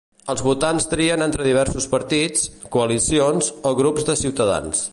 Els votants trien entre diversos partits, coalicions o grups de ciutadans.